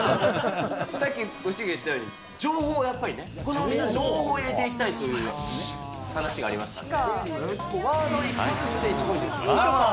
さっき、ご主人が言ったように情報がやっぱりね、情報を入れていきたいというね、話がありましたね。